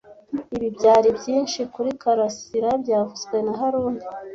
Ibi byari byinshi kuri Karasira byavuzwe na haruna